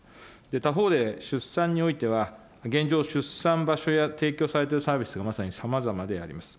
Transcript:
他方で出産においては、現状、出産場所や提供されてるサービスがまさにさまざまであります。